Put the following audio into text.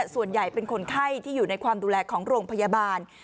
ส่วนใหญ่เป็นคนไข้ที่อยู่ในความดูแลของโรงพยาบาล